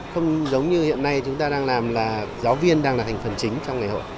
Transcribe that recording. không giống như hiện nay chúng ta đang làm là giáo viên đang là thành phần chính trong ngày hội